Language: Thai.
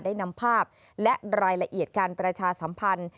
ได้นำภาพและรายละเอียดการประชาสัมพันธ์